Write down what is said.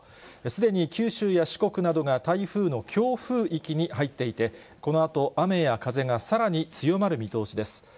すでに九州や四国などが台風の強風域に入っていて、このあと雨や風がさらに強まる見通しです。